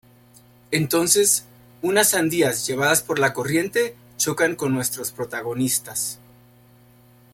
Entonces unas sandías llevadas por la corriente chocan con nuestros protagonistas.